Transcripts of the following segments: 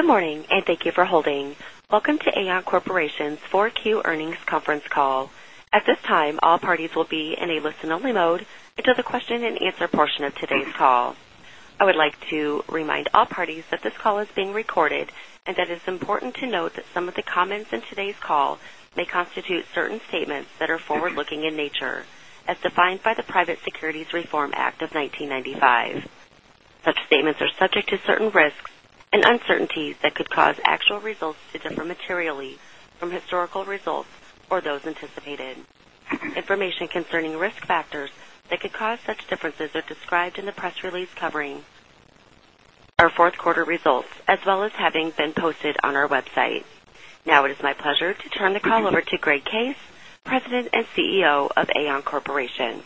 Good morning, and thank you for holding. Welcome to Aon Corporation's 4Q earnings conference call. At this time, all parties will be in a listen-only mode until the question and answer portion of today's call. I would like to remind all parties that this call is being recorded and that it is important to note that some of the comments in today's call may constitute certain statements that are forward-looking in nature, as defined by the Private Securities Litigation Reform Act of 1995. Such statements are subject to certain risks and uncertainties that could cause actual results to differ materially from historical results or those anticipated. Information concerning risk factors that could cause such differences are described in the press release covering our fourth quarter results, as well as having been posted on our website. It is my pleasure to turn the call over to Greg Case, President and CEO of Aon Corporation.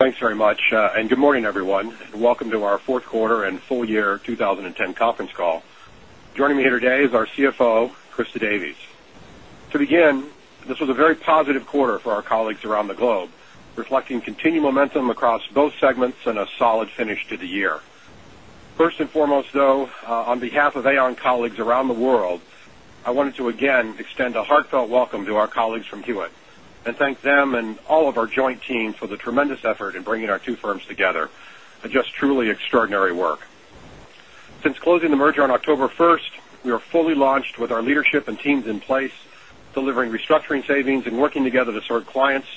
Thanks very much. Good morning, everyone. Welcome to our fourth quarter and full year 2010 conference call. Joining me here today is our CFO, Christa Davies. To begin, this was a very positive quarter for our colleagues around the globe, reflecting continued momentum across both segments and a solid finish to the year. First and foremost, though, on behalf of Aon colleagues around the world, I wanted to, again, extend a heartfelt welcome to our colleagues from Hewitt and thank them and all of our joint team for the tremendous effort in bringing our two firms together. Just truly extraordinary work. Since closing the merger on October first, we are fully launched with our leadership and teams in place, delivering restructuring savings and working together to serve clients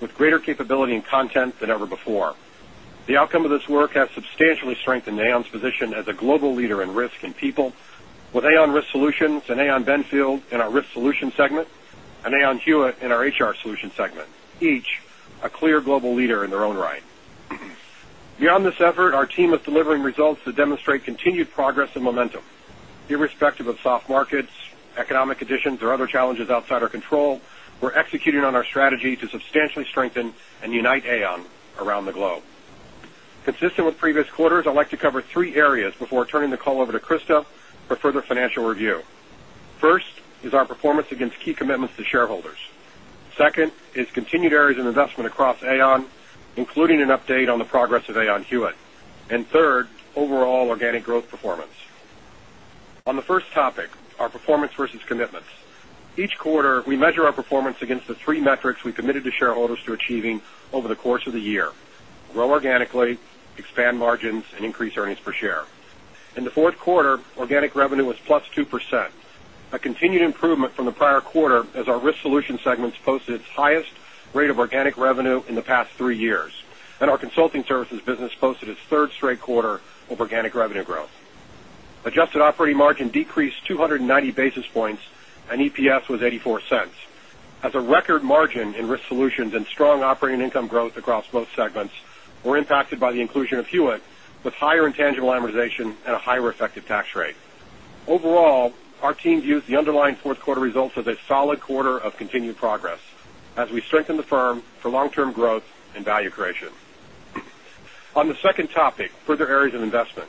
with greater capability and content than ever before. The outcome of this work has substantially strengthened Aon's position as a global leader in risk and people, with Aon Risk Solutions and Aon Benfield in our risk solutions segment and Aon Hewitt in our HR solutions segment, each a clear global leader in their own right. Beyond this effort, our team is delivering results that demonstrate continued progress and momentum. Irrespective of soft markets, economic conditions, or other challenges outside our control, we're executing on our strategy to substantially strengthen and unite Aon around the globe. Consistent with previous quarters, I'd like to cover three areas before turning the call over to Christa for further financial review. First is our performance against key commitments to shareholders. Second is continued areas of investment across Aon, including an update on the progress of Aon Hewitt. Third, overall organic growth performance. On the first topic, our performance versus commitments. Each quarter, we measure our performance against the three metrics we committed to shareholders to achieving over the course of the year, grow organically, expand margins, and increase earnings per share. In the fourth quarter, organic revenue was +2%, a continued improvement from the prior quarter as our Aon Risk Solutions segments posted its highest rate of organic revenue in the past three years. Our Aon Consulting business posted its third straight quarter of organic revenue growth. Adjusted operating margin decreased 290 basis points, and EPS was $0.84. A record margin in Aon Risk Solutions and strong operating income growth across both segments were impacted by the inclusion of Hewitt, with higher intangible amortization and a higher effective tax rate. Overall, our team views the underlying fourth quarter results as a solid quarter of continued progress as we strengthen the firm for long-term growth and value creation. On the second topic, further areas of investment.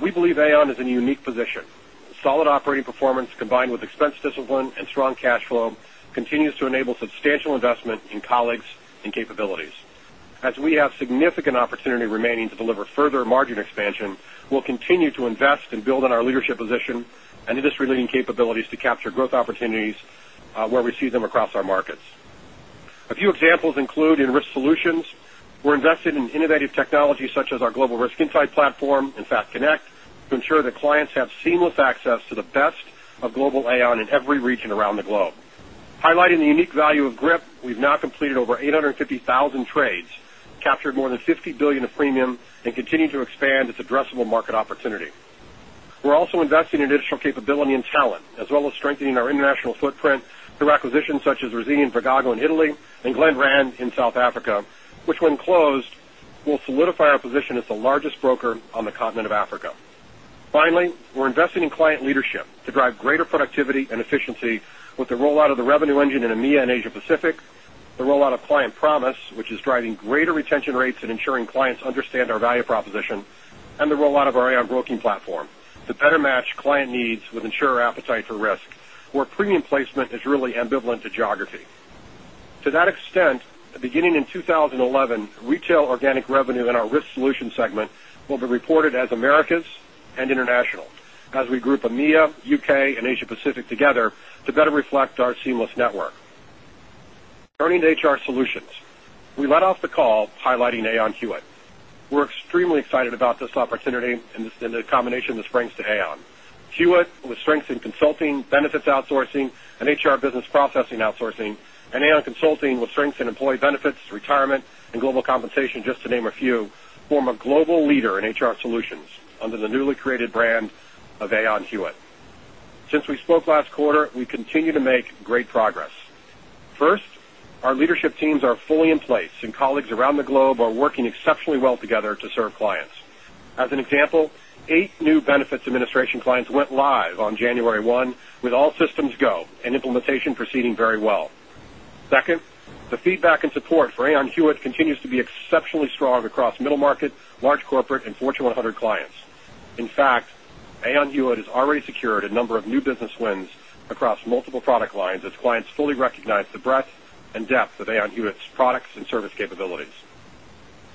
We believe Aon is in a unique position. Solid operating performance combined with expense discipline and strong cash flow continues to enable substantial investment in colleagues and capabilities. We have significant opportunity remaining to deliver further margin expansion, we'll continue to invest and build on our leadership position and industry-leading capabilities to capture growth opportunities where we see them across our markets. A few examples include in Aon Risk Solutions, we're invested in innovative technology such as our Aon Global Risk Insight Platform and FAConnect to ensure that clients have seamless access to the best of global Aon in every region around the globe. Highlighting the unique value of GRIP, we've now completed over 850,000 trades, captured more than $50 billion of premium, and continue to expand its addressable market opportunity. We're also investing in additional capability and talent, as well as strengthening our international footprint through acquisitions such as Rasile & Gagliardi in Italy and Glenrand MIB in South Africa, which when closed, will solidify our position as the largest broker on the continent of Africa. Finally, we're investing in client leadership to drive greater productivity and efficiency with the rollout of the Revenue Engine in EMEA and Asia Pacific, the rollout of Aon Client Promise, which is driving greater retention rates and ensuring clients understand our value proposition, and the rollout of our Aon Broking platform to better match client needs with insurer appetite for risk, where premium placement is really ambivalent to geography. Beginning in 2011, retail organic revenue in our Aon Risk Solutions segment will be reported as Americas and International, as we group EMEA, U.K., and Asia Pacific together to better reflect our seamless network. Turning to HR solutions. We led off the call highlighting Aon Hewitt. We're extremely excited about this opportunity and the combination this brings to Aon. Hewitt, with strengths in consulting, benefits outsourcing, and HR BPO, and Aon Consulting, with strengths in employee benefits, retirement, and global compensation, just to name a few, form a global leader in HR solutions under the newly created brand of Aon Hewitt. Since we spoke last quarter, we continue to make great progress. First, our leadership teams are fully in place, and colleagues around the globe are working exceptionally well together to serve clients. As an example, eight new benefits administration clients went live on January one, with all systems go and implementation proceeding very well. Second, the feedback and support for Aon Hewitt continues to be exceptionally strong across middle market, large corporate, and Fortune 100 clients. In fact, Aon Hewitt has already secured a number of new business wins across multiple product lines as clients fully recognize the breadth and depth of Aon Hewitt's products and service capabilities.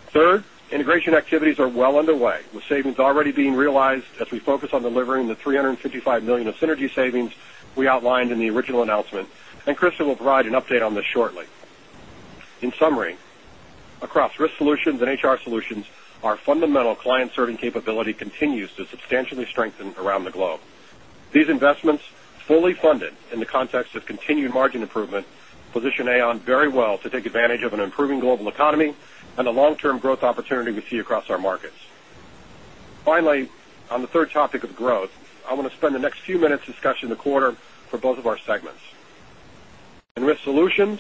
Third, integration activities are well underway, with savings already being realized as we focus on delivering the $355 million of synergy savings we outlined in the original announcement. Christa will provide an update on this shortly. In summary, across Risk Solutions and HR Solutions, our fundamental client-serving capability continues to substantially strengthen around the globe. These investments, fully funded in the context of continued margin improvement, position Aon very well to take advantage of an improving global economy and the long-term growth opportunity we see across our markets. On the third topic of growth, I want to spend the next few minutes discussing the quarter for both of our segments. In Risk Solutions,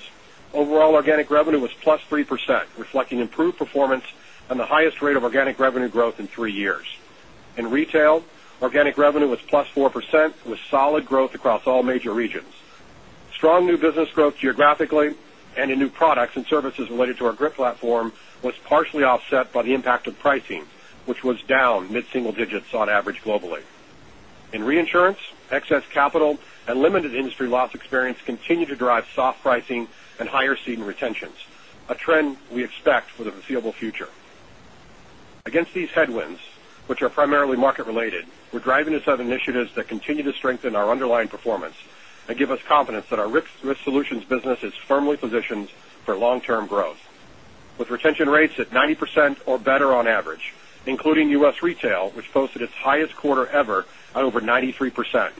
overall organic revenue was +3%, reflecting improved performance and the highest rate of organic revenue growth in three years. In retail, organic revenue was +4%, with solid growth across all major regions. Strong new business growth geographically and in new products and services related to our GRIP platform was partially offset by the impact of pricing, which was down mid-single digits on average globally. In reinsurance, excess capital and limited industry loss experience continue to drive soft pricing and higher cede and retentions, a trend we expect for the foreseeable future. Against these headwinds, which are primarily market-related, we're driving a set of initiatives that continue to strengthen our underlying performance and give us confidence that our Risk Solutions business is firmly positioned for long-term growth. With retention rates at 90% or better on average, including U.S. retail, which posted its highest quarter ever at over 93%,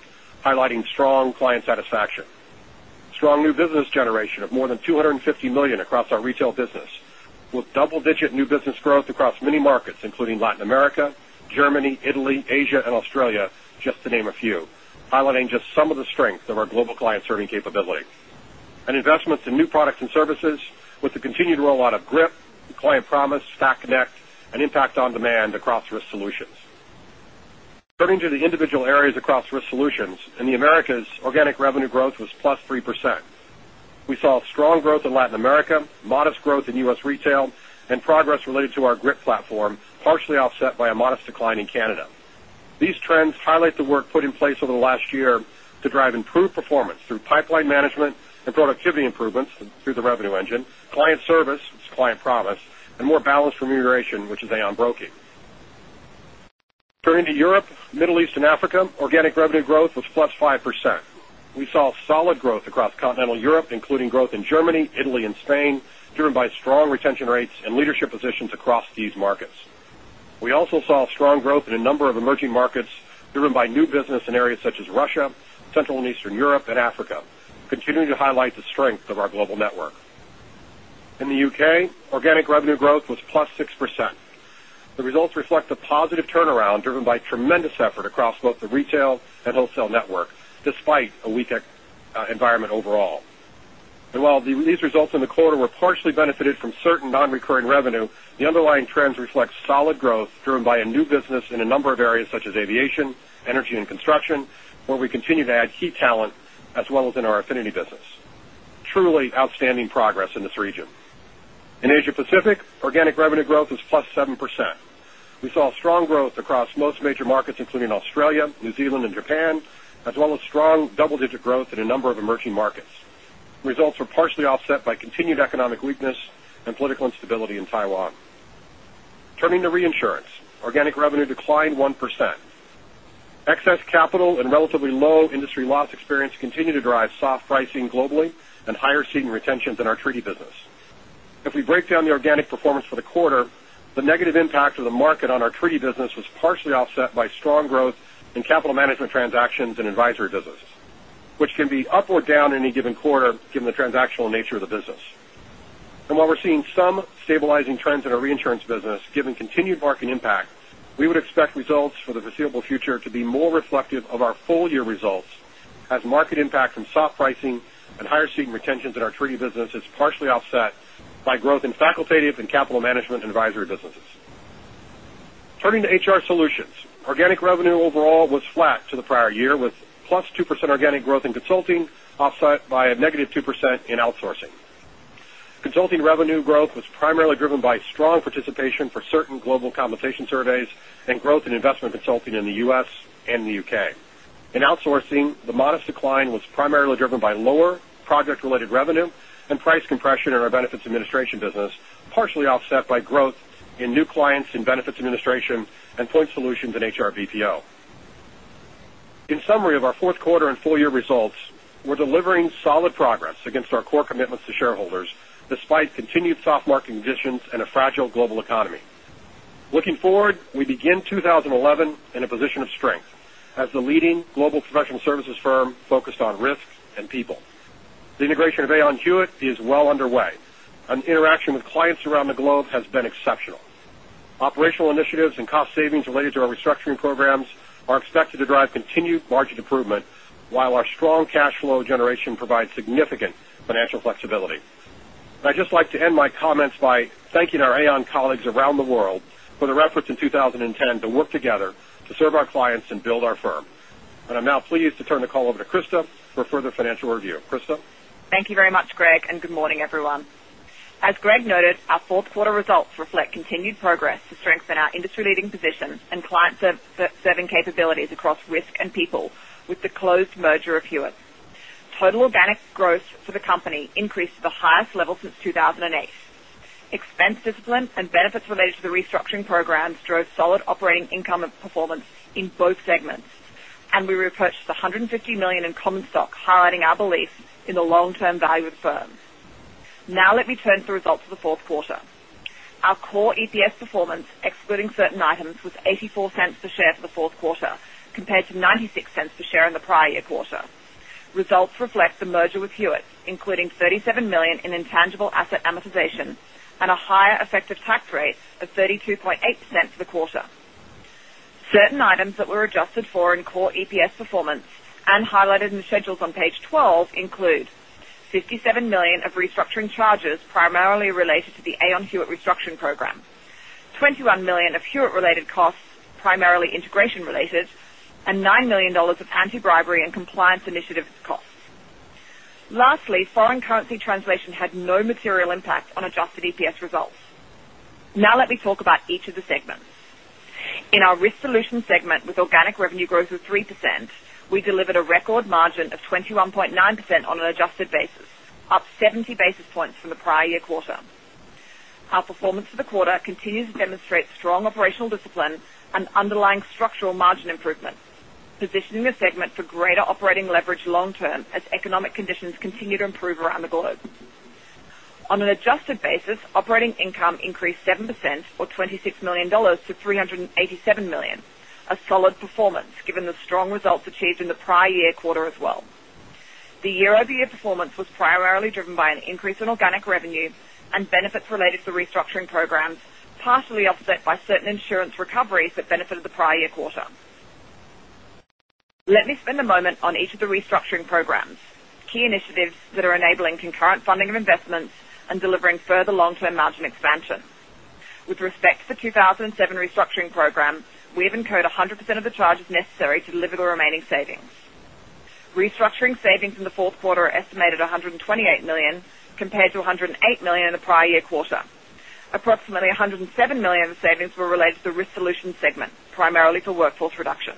highlighting strong client satisfaction. Strong new business generation of more than $250 million across our retail business, with double-digit new business growth across many markets, including Latin America, Germany, Italy, Asia, and Australia, just to name a few, highlighting just some of the strengths of our global client-serving capability. Investments in new products and services with the continued rollout of GRIP, Client Promise, FAConnect, and ImpactOnDemand across Risk Solutions. Turning to the individual areas across Risk Solutions, in the Americas, organic revenue growth was +3%. We saw strong growth in Latin America, modest growth in U.S. retail, and progress related to our GRIP platform, partially offset by a modest decline in Canada. These trends highlight the work put in place over the last year to drive improved performance through pipeline management and productivity improvements through the Revenue Engine, client service, which is Client Promise, and more balanced remuneration, which is Aon Broking. Turning to Europe, Middle East, and Africa, organic revenue growth was +5%. We saw solid growth across continental Europe, including growth in Germany, Italy, and Spain, driven by strong retention rates and leadership positions across these markets. We also saw strong growth in a number of emerging markets driven by new business in areas such as Russia, Central and Eastern Europe, and Africa, continuing to highlight the strength of our global network. In the U.K., organic revenue growth was +6%. The results reflect a positive turnaround driven by tremendous effort across both the retail and wholesale network, despite a weak environment overall. While these results in the quarter were partially benefited from certain non-recurring revenue, the underlying trends reflect solid growth driven by new business in a number of areas such as aviation, energy, and construction, where we continue to add key talent, as well as in our affinity business. Truly outstanding progress in this region. In Asia Pacific, organic revenue growth was +7%. We saw strong growth across most major markets, including Australia, New Zealand, and Japan, as well as strong double-digit growth in a number of emerging markets. Results were partially offset by continued economic weakness and political instability in Taiwan. Turning to reinsurance, organic revenue declined -1%. Excess capital and relatively low industry loss experience continue to drive soft pricing globally and higher ceding retentions in our treaty business. If we break down the organic performance for the quarter, the negative impact of the market on our treaty business was partially offset by strong growth in capital management transactions and advisory business, which can be up or down in any given quarter, given the transactional nature of the business. While we're seeing some stabilizing trends in our reinsurance business, given continued market impact, we would expect results for the foreseeable future to be more reflective of our full-year results as market impact from soft pricing and higher ceding retentions in our treaty business is partially offset by growth in facultative and capital management and advisory businesses. Turning to HR Solutions. Organic revenue overall was flat to the prior year, with +2% organic growth in consulting, offset by a -2% in outsourcing. Consulting revenue growth was primarily driven by strong participation for certain global compensation surveys and growth in investment consulting in the U.S. and the U.K. In outsourcing, the modest decline was primarily driven by lower project-related revenue and price compression in our benefits administration business, partially offset by growth in new clients in benefits administration and point solutions in HR BPO. In summary of our fourth quarter and full-year results, we're delivering solid progress against our core commitments to shareholders, despite continued soft market conditions and a fragile global economy. Looking forward, we begin 2011 in a position of strength as the leading global professional services firm focused on risks and people. The integration of Aon Hewitt is well underway, and interaction with clients around the globe has been exceptional. Operational initiatives and cost savings related to our restructuring programs are expected to drive continued margin improvement, while our strong cash flow generation provides significant financial flexibility. I'd just like to end my comments by thanking our Aon colleagues around the world for their efforts in 2010 to work together to serve our clients and build our firm. I'm now pleased to turn the call over to Christa for further financial review. Christa? Thank you very much, Greg, and good morning, everyone. As Greg noted, our fourth quarter results reflect continued progress to strengthen our industry-leading positions and client-serving capabilities across risk and people with the closed merger of Hewitt. Total organic growth for the company increased to the highest level since 2008. Expense discipline and benefits related to the restructuring programs drove solid operating income performance in both segments. We repurchased $150 million in common stock, highlighting our belief in the long-term value of the firm. Now let me turn to the results of the fourth quarter. Our core EPS performance, excluding certain items, was $0.84 per share for the fourth quarter, compared to $0.96 per share in the prior year quarter. Results reflect the merger with Hewitt, including $37 million in intangible asset amortization and a higher effective tax rate of 32.8% for the quarter. Certain items that were adjusted for in core EPS performance and highlighted in the schedules on page 12 include $57 million of restructuring charges primarily related to the Aon Hewitt restructuring program, $21 million of Hewitt related costs, primarily integration related, and $9 million of anti-bribery and compliance initiatives costs. Lastly, foreign currency translation had no material impact on adjusted EPS results. Now let me talk about each of the segments. In our Aon Risk Solutions segment with organic revenue growth of 3%, we delivered a record margin of 21.9% on an adjusted basis, up 70 basis points from the prior year quarter. Our performance for the quarter continues to demonstrate strong operational discipline and underlying structural margin improvement, positioning the segment for greater operating leverage long term as economic conditions continue to improve around the globe. On an adjusted basis, operating income increased 7% or $26 million to $387 million. A solid performance given the strong results achieved in the prior year quarter as well. The year-over-year performance was primarily driven by an increase in organic revenue and benefits related to the restructuring programs, partially offset by certain insurance recoveries that benefited the prior year quarter. Let me spend a moment on each of the restructuring programs, key initiatives that are enabling concurrent funding of investments and delivering further long-term margin expansion. With respect to the 2007 restructuring program, we have incurred 100% of the charges necessary to deliver the remaining savings. Restructuring savings in the fourth quarter are estimated at $128 million, compared to $108 million in the prior year quarter. Approximately $107 million of the savings were related to the Aon Risk Solutions segment, primarily for workforce reduction.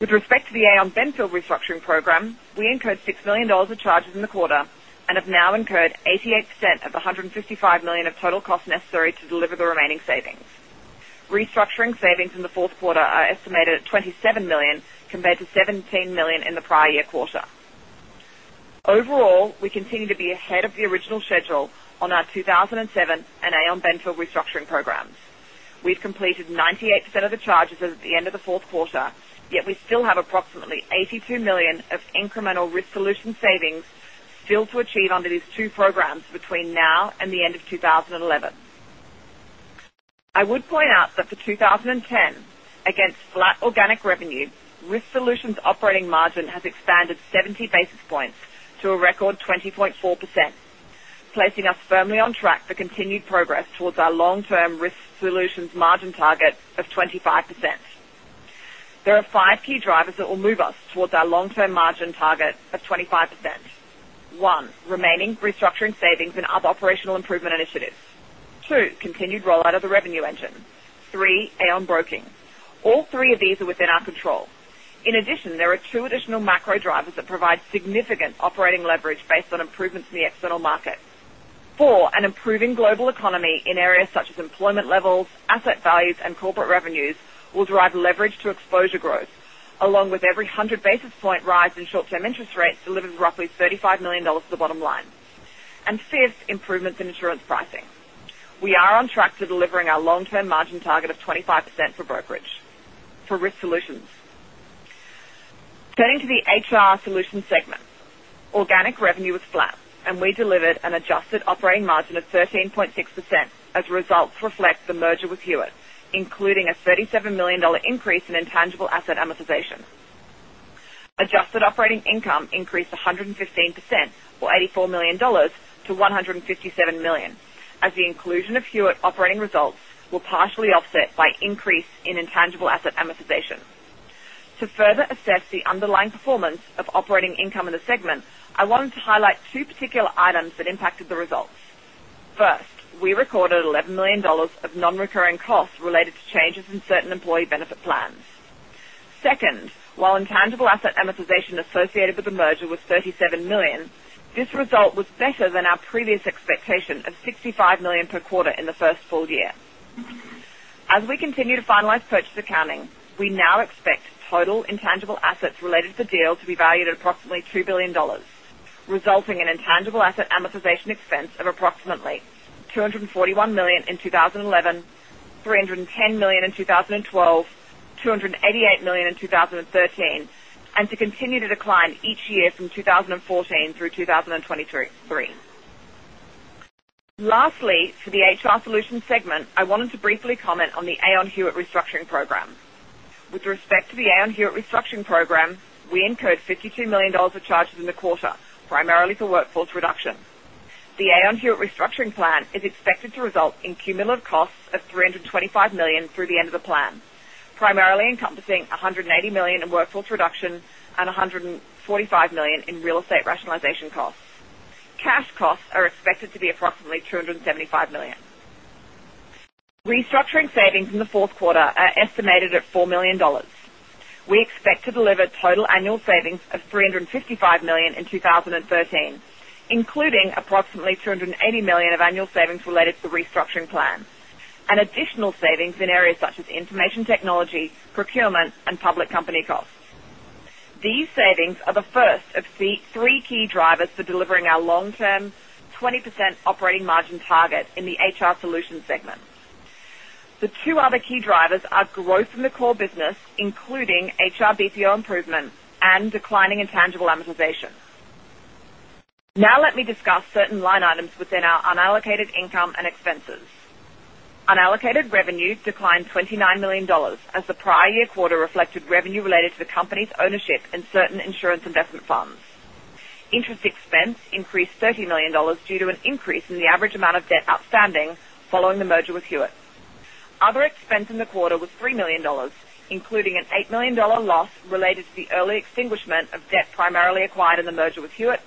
With respect to the Aon Benfield restructuring program, we incurred $6 million of charges in the quarter and have now incurred 88% of the $155 million of total costs necessary to deliver the remaining savings. Restructuring savings in the fourth quarter are estimated at $27 million, compared to $17 million in the prior year quarter. Overall, we continue to be ahead of the original schedule on our 2007 and Aon Benfield restructuring programs. We've completed 98% of the charges as of the end of the fourth quarter, yet we still have approximately $82 million of incremental Risk Solutions savings still to achieve under these two programs between now and the end of 2011. I would point out that for 2010, against flat organic revenue, Aon Risk Solutions operating margin has expanded 70 basis points to a record 20.4%, placing us firmly on track for continued progress towards our long-term Aon Risk Solutions margin target of 25%. There are five key drivers that will move us towards our long-term margin target of 25%. One, remaining restructuring savings and other operational improvement initiatives. Two, continued rollout of the Revenue Engine. Three, Aon Broking. All three of these are within our control. In addition, there are two additional macro drivers that provide significant operating leverage based on improvements in the external market. Four, an improving global economy in areas such as employment levels, asset values, and corporate revenues will drive leverage to exposure growth, along with every 100 basis point rise in short-term interest rates delivered roughly $35 million to the bottom line. Fifth, improvements in insurance pricing. We are on track to delivering our long-term margin target of 25% for Aon Risk Solutions. Turning to the Aon HR Solutions segment. Organic revenue was flat, and we delivered an adjusted operating margin of 13.6% as results reflect the merger with Hewitt, including a $37 million increase in intangible asset amortization. Adjusted operating income increased 115% or $84 million to $157 million, as the inclusion of Hewitt operating results were partially offset by increase in intangible asset amortization. To further assess the underlying performance of operating income in the segment, I wanted to highlight two particular items that impacted the results. First, we recorded $11 million of non-recurring costs related to changes in certain employee benefit plans. Second, while intangible asset amortization associated with the merger was $37 million, this result was better than our previous expectation of $65 million per quarter in the first full year. As we continue to finalize purchase accounting, we now expect total intangible assets related to the deal to be valued at approximately $2 billion, resulting in intangible asset amortization expense of approximately $241 million in 2011, $310 million in 2012, $288 million in 2013, and to continue to decline each year from 2014 through 2023. Lastly, for the Aon HR Solutions segment, I wanted to briefly comment on the Aon Hewitt restructuring program. With respect to the Aon Hewitt restructuring program, we incurred $52 million of charges in the quarter, primarily for workforce reduction. The Aon Hewitt restructuring plan is expected to result in cumulative costs of $325 million through the end of the plan, primarily encompassing $180 million in workforce reduction and $145 million in real estate rationalization costs. Cash costs are expected to be approximately $275 million. Restructuring savings in the fourth quarter are estimated at $4 million. We expect to deliver total annual savings of $355 million in 2013, including approximately $280 million of annual savings related to the restructuring plan. Additional savings in areas such as information technology, procurement, and public company costs. These savings are the first of three key drivers for delivering our long-term 20% operating margin target in the Aon HR Solutions segment. The two other key drivers are growth in the core business, including HR BPO improvements and declining intangible amortization. Now let me discuss certain line items within our unallocated income and expenses. Unallocated revenues declined $29 million as the prior year quarter reflected revenue related to the company's ownership in certain insurance investment funds. Interest expense increased $30 million due to an increase in the average amount of debt outstanding following the merger with Hewitt. Other expense in the quarter was $3 million, including an $8 million loss related to the early extinguishment of debt primarily acquired in the merger with Hewitt,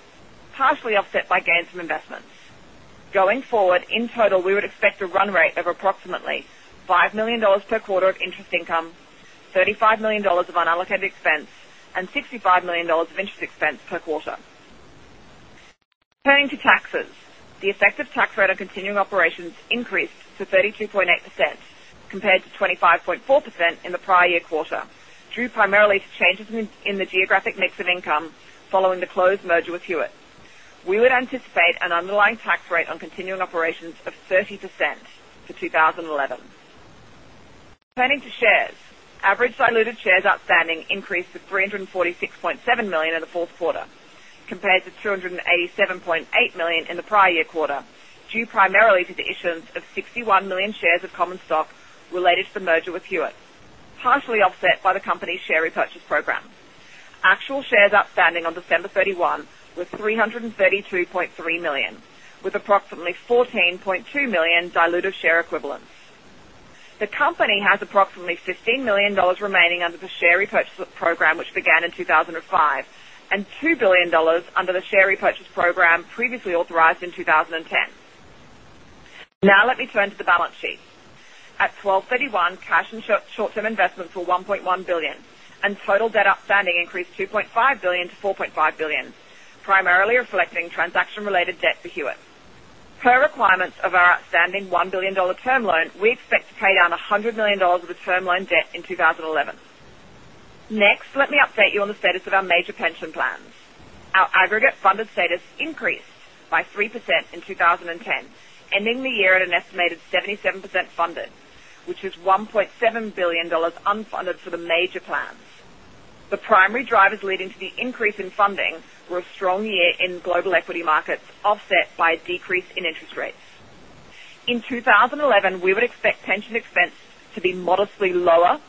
partially offset by gains from investments. Going forward, in total, we would expect a run rate of approximately $5 million per quarter of interest income, $35 million of unallocated expense, and $65 million of interest expense per quarter. Turning to taxes, the effective tax rate on continuing operations increased to 32.8% compared to 25.4% in the prior year quarter, due primarily to changes in the geographic mix of income following the closed merger with Hewitt. We would anticipate an underlying tax rate on continuing operations of 30% for 2011. Turning to shares, average diluted shares outstanding increased to 346.7 million in the fourth quarter compared to 287.8 million in the prior year quarter, due primarily to the issuance of 61 million shares of common stock related to the merger with Hewitt, partially offset by the company's share repurchase program. Actual shares outstanding on December 31 were 332.3 million, with approximately 14.2 million diluted share equivalents. The company has approximately $15 million remaining under the share repurchase program, which began in 2005, and $2 billion under the share repurchase program previously authorized in 2010. Now let me turn to the balance sheet. At 12/31, cash and short-term investments were $1.1 billion, and total debt outstanding increased $2.5 billion to $4.5 billion, primarily reflecting transaction-related debt for Hewitt. Per requirements of our outstanding $1 billion term loan, we expect to pay down $100 million of the term loan debt in 2011. Next, let me update you on the status of our major pension plans. Our aggregate funded status increased by 3% in 2010, ending the year at an estimated 77% funded, which is $1.7 billion unfunded for the major plans. The primary drivers leading to the increase in funding were a strong year in global equity markets, offset by a decrease in interest rates. In 2011, we would expect pension expense to be modestly lower,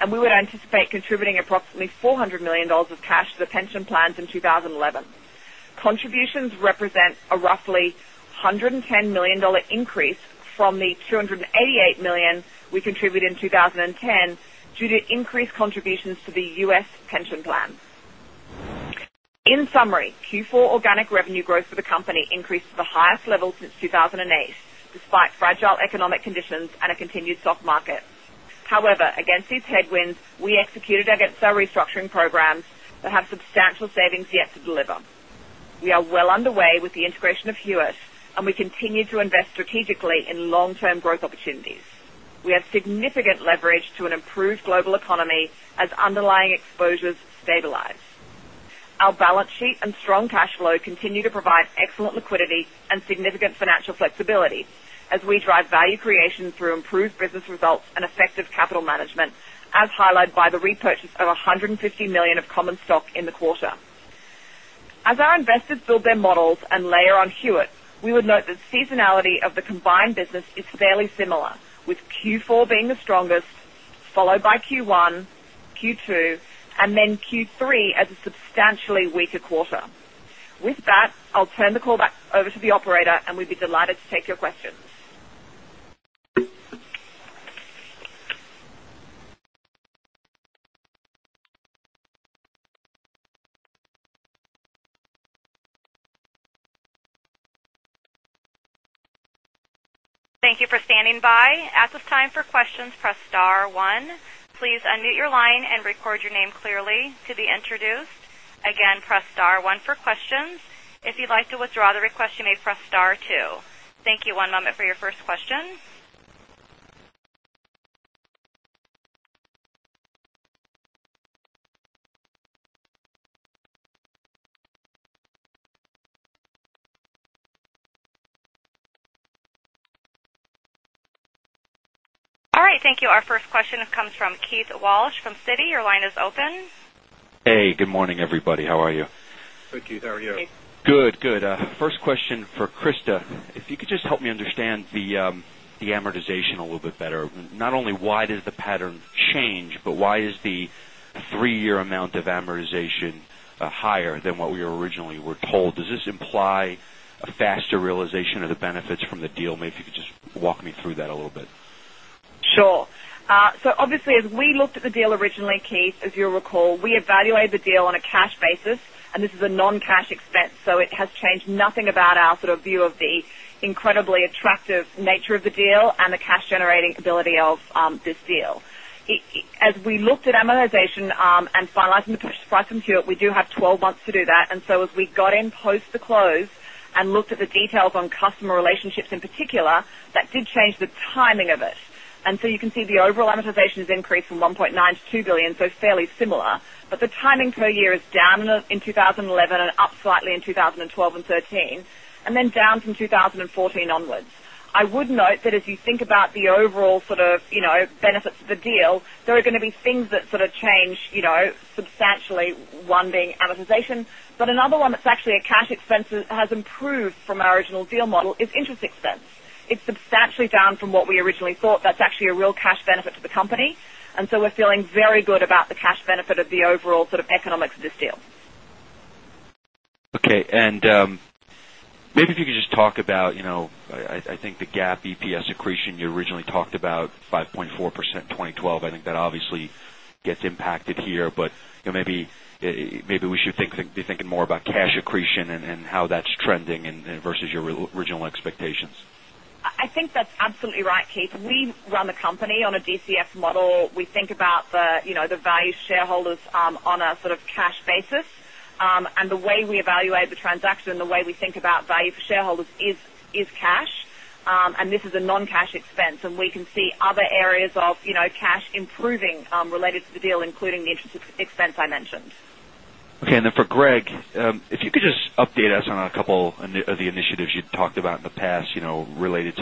and we would anticipate contributing approximately $400 million of cash to the pension plans in 2011. Contributions represent a roughly $110 million increase from the $288 million we contributed in 2010 due to increased contributions to the U.S. pension plans. In summary, Q4 organic revenue growth for the company increased to the highest level since 2008, despite fragile economic conditions and a continued soft market. However, against these headwinds, we executed against our restructuring programs that have substantial savings yet to deliver. We are well underway with the integration of Hewitt, and we continue to invest strategically in long-term growth opportunities. We have significant leverage to an improved global economy as underlying exposures stabilize. Our balance sheet and strong cash flow continue to provide excellent liquidity and significant financial flexibility as we drive value creation through improved business results and effective capital management, as highlighted by the repurchase of $150 million of common stock in the quarter. As our investors build their models and layer on Hewitt, we would note that seasonality of the combined business is fairly similar, with Q4 being the strongest, followed by Q1, Q2, and then Q3 as a substantially weaker quarter. With that, I'll turn the call back over to the operator, and we'd be delighted to take your questions. Thank you for standing by. At this time for questions press star one. Please unmute your line and record your name clearly to be introduced. Again, press star one for questions. If you'd like to withdraw the request, you may press star two. Thank you. One moment for your first question. All right. Thank you. Our first question comes from Keith Walsh from Citi. Your line is open. Hey, good morning, everybody. How are you? Good, Keith. How are you? Good. First question for Christa. If you could just help me understand the amortization a little bit better. Not only why does the pattern change, but why is the three-year amount of amortization higher than what we originally were told? Does this imply a faster realization of the benefits from the deal? Maybe if you could just walk me through that a little bit. Sure. Obviously, as we looked at the deal originally, Keith, as you will recall, we evaluated the deal on a cash basis, and this is a non-cash expense, so it has changed nothing about our view of the incredibly attractive nature of the deal and the cash-generating ability of this deal. As we looked at amortization and finalizing the purchase price into it, we do have 12 months to do that. As we got in post the close and looked at the details on customer relationships in particular, that did change the timing of it. You can see the overall amortization has increased from $1.9 billion to $2 billion, so fairly similar. The timing per year is down in 2011 and up slightly in 2012 and 2013, and then down from 2014 onwards. I would note that as you think about the overall benefits of the deal, there are going to be things that change substantially, one being amortization. Another one that's actually a cash expense has improved from our original deal model is interest expense. It's substantially down from what we originally thought. That's actually a real cash benefit to the company, so we're feeling very good about the cash benefit of the overall economics of this deal. Okay, maybe if you could just talk about, I think the GAAP EPS accretion you originally talked about 5.4% in 2012. I think that obviously gets impacted here, maybe we should be thinking more about cash accretion and how that's trending versus your original expectations. I think that's absolutely right, Keith. We run the company on a DCF model. We think about the value to shareholders on a cash basis. The way we evaluate the transaction and the way we think about value for shareholders is cash, and this is a non-cash expense. We can see other areas of cash improving related to the deal, including the interest expense I mentioned. Okay, for Greg, if you could just update us on a couple of the initiatives you talked about in the past related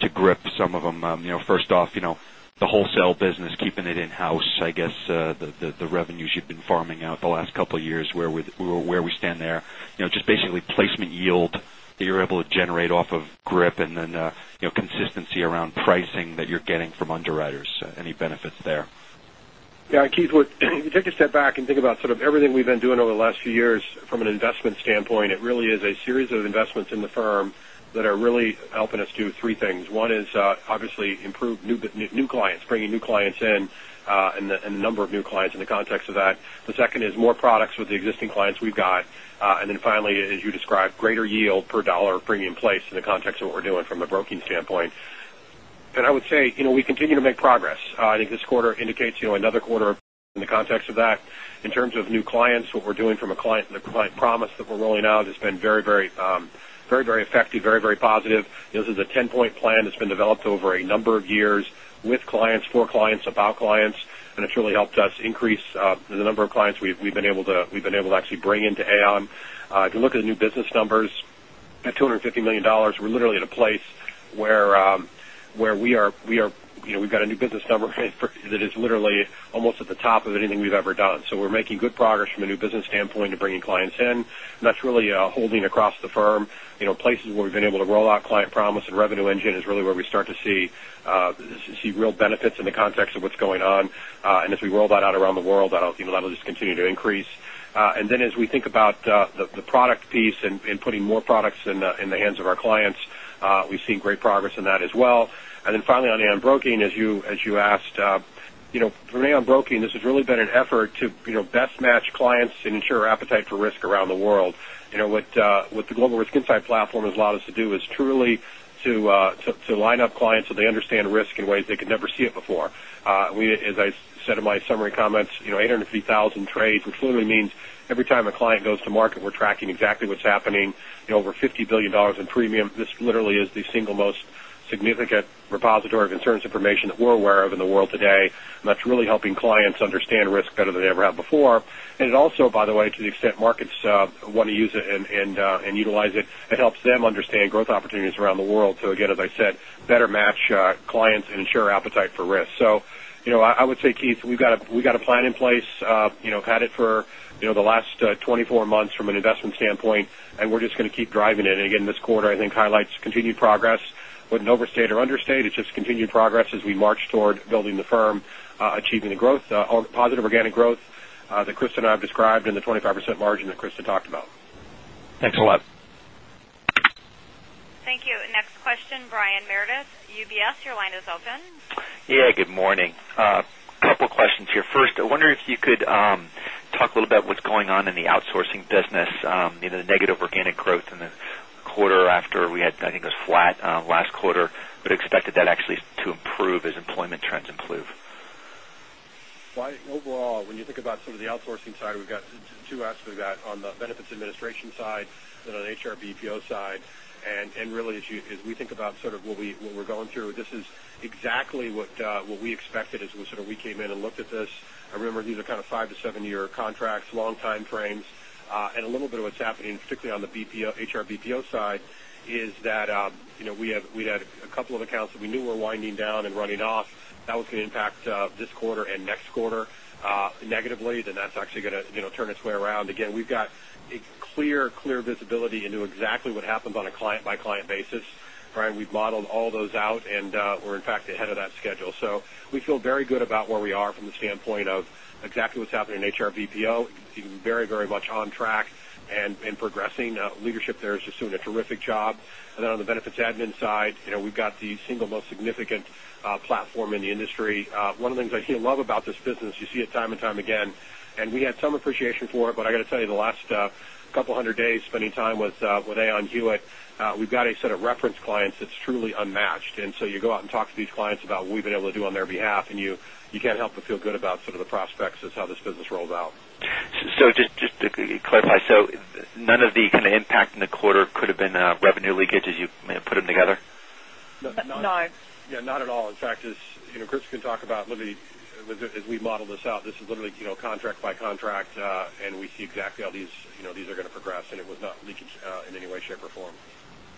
to GRIP, some of them. First off, the wholesale business, keeping it in-house, I guess the revenues you've been farming out the last couple of years, where we stand there. Just basically placement yield that you're able to generate off of GRIP and then consistency around pricing that you're getting from underwriters, any benefits there. Yeah, Keith, if you take a step back and think about everything we've been doing over the last few years from an investment standpoint, it really is a series of investments in the firm that are really helping us do three things. One is obviously improve new clients, bringing new clients in, and the number of new clients in the context of that. The second is more products with the existing clients we've got. Finally, as you described, greater yield per $1 of premium placed in the context of what we're doing from a broking standpoint. I would say we continue to make progress. I think this quarter indicates another quarter in the context of that. In terms of new clients, what we're doing from a client and the Aon Client Promise that we're rolling out has been very effective, very positive. This is a 10-point plan that's been developed over a number of years with clients, for clients, about clients, and it's really helped us increase the number of clients we've been able to actually bring into Aon. If you look at the new business numbers, at $250 million, we're literally at a place where we've got a new business number that is literally almost at the top of anything we've ever done. We're making good progress from a new business standpoint of bringing clients in. That's really holding across the firm. Places where we've been able to roll out Aon Client Promise and Revenue Engine is really where we start to see real benefits in the context of what's going on. As we roll that out around the world, I would think that'll just continue to increase. As we think about the product piece and putting more products in the hands of our clients, we see great progress in that as well. Finally, on Aon Broking, as you asked. For me, on Aon Broking, this has really been an effort to best match clients and ensure appetite for risk around the world. What the Global Risk Insight Platform has allowed us to do is truly to line up clients so they understand risk in ways they could never see it before. As I said in my summary comments, 850,000 trades, which literally means every time a client goes to market, we're tracking exactly what's happening. Over $50 billion in premium. This literally is the single most significant repository of insurance information that we're aware of in the world today, that's really helping clients understand risk better than they ever have before. It also, by the way, to the extent markets want to use it and utilize it helps them understand growth opportunities around the world. Again, as I said, better match clients and ensure appetite for risk. I would say, Keith, we've got a plan in place. We've had it for the last 24 months from an investment standpoint, we're just going to keep driving it. Again, this quarter, I think, highlights continued progress. Wouldn't overstate or understate. It's just continued progress as we march toward building the firm, achieving the growth, positive organic growth that Christa and I have described and the 25% margin that Christa talked about. Thanks a lot. Thank you. Next question, Brian Meredith, UBS, your line is open. Good morning. A couple questions here. First, I wonder if you could talk a little about what's going on in the outsourcing business, the negative organic growth in the quarter after we had, I think it was flat last quarter, but expected that actually to improve as employment trends improve. Brian, overall, when you think about some of the outsourcing side, we've got two aspects. We've got on the benefits administration side, then on the HR BPO side. Really, as we think about what we're going through, this is exactly what we expected as we came in and looked at this. Remember, these are kind of 5 to 7-year contracts, long time frames. A little bit of what's happening, particularly on the HR BPO side, is that we had a couple of accounts that we knew were winding down and running off. That was going to impact this quarter and next quarter negatively. That's actually going to turn its way around. Again, we've got clear visibility into exactly what happens on a client-by-client basis. Brian, we've modeled all those out, and we're in fact ahead of that schedule. We feel very good about where we are from the standpoint of exactly what's happening in HR BPO. Very much on track and progressing. Leadership there is just doing a terrific job. Then on the benefits admin side, we've got the single most significant platform in the industry. One of the things I love about this business, you see it time and time again, and we had some appreciation for it, but I got to tell you, the last couple of hundred days spending time with Aon Hewitt, we've got a set of reference clients that's truly unmatched. You go out and talk to these clients about what we've been able to do on their behalf, and you can't help but feel good about some of the prospects as to how this business rolls out. Just to clarify, so none of the impact in the quarter could have been revenue leakage as you put them together? No. Yeah, not at all. In fact, as Christa can talk about as we model this out, this is literally contract by contract, we see exactly how these are going to progress, it was not leakage in any way, shape, or form.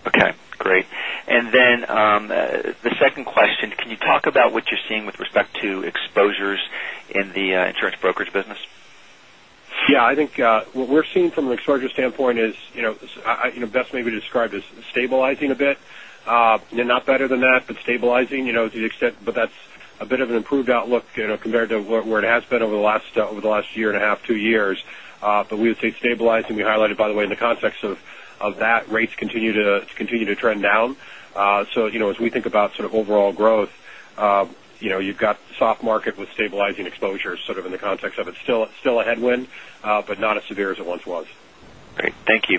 Okay, great. The second question, can you talk about what you're seeing with respect to exposures in the insurance brokerage business? Yeah, I think what we're seeing from an exposure standpoint is best maybe described as stabilizing a bit. Not better than that, but stabilizing to the extent that's a bit of an improved outlook, compared to where it has been over the last year and a half, two years. We would say stabilizing. We highlighted, by the way, in the context of that, rates continue to trend down. As we think about sort of overall growth, you've got soft market with stabilizing exposure, sort of in the context of it's still a headwind, but not as severe as it once was. Great. Thank you.